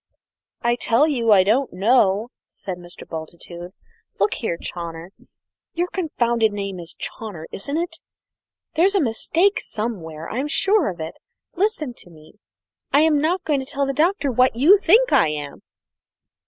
"I tell you I don't know!" said Mr. Bultitude. "Look here, Chawner your confounded name is Chawner, isn't it? there's a mistake somewhere, I'm sure of it. Listen to me. I'm not going to tell the Doctor what you think I am!"